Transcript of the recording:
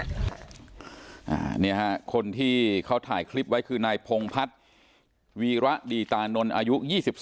นี่ฮะคนที่เขาถ่ายคลิปไว้คือนายพงพัฒน์วีระดีตานนท์อายุ๒๒